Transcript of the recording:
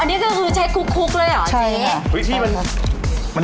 อ่ออันนี้ก็คือใช้คลุกอะไรเหรอจี๊